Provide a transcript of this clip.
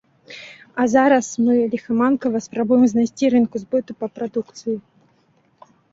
А зараз мы ліхаманкава спрабуем знайсці рынкі збыту на прадукцыю.